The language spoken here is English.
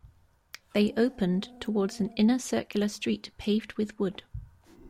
They opened towards an inner circular street paved with wood.